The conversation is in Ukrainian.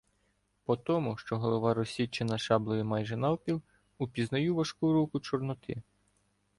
По тому, що голова розсічена шаблею майже навпіл, упізнаю важку руку Чорноти.